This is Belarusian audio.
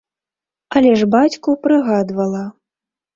Але ж бацьку прыгадвала.